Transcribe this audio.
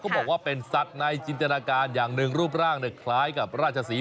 บอกว่าเป็นสัตว์ในจินตนาการอย่างหนึ่งรูปร่างคล้ายกับราชศรี